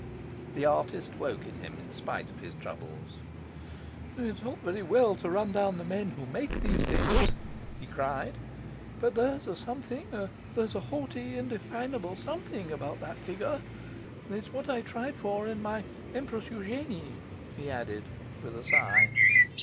The artist woke in him, in spite of his troubles. 'It is all very well to run down the men who make these things,' he cried, 'but there's a something there's a haughty, indefinable something about that figure. It's what I tried for in my "Empress Eugenie",' he added, with a sigh.